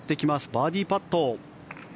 バーディーパット。